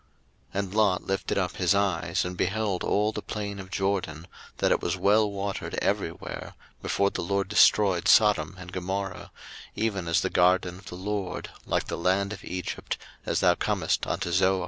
01:013:010 And Lot lifted up his eyes, and beheld all the plain of Jordan, that it was well watered every where, before the LORD destroyed Sodom and Gomorrah, even as the garden of the LORD, like the land of Egypt, as thou comest unto Zoar.